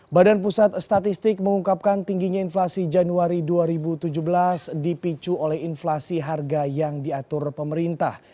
badan pusat statistik mengungkapkan tingginya inflasi januari dua ribu tujuh belas dipicu oleh inflasi harga yang diatur pemerintah